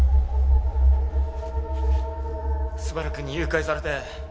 昴くんに誘拐されて。